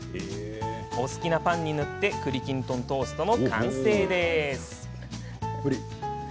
お好きなパンに塗ってくりきんとんトーストの完成です。